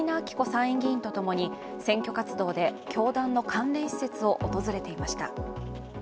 参議院議員とともに選挙活動で教団の関連施設を訪れていました。